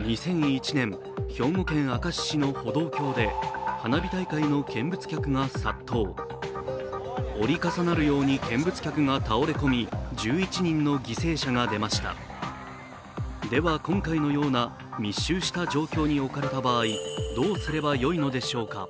２００１年、兵庫県明石市の歩道橋で花火大会の見物客が殺到、折り重なるように見物客が倒れ込み、１１人の犠牲者が出ましたでは今回のような密集した状況に置かれた場合、どうすればよいのでしょうか。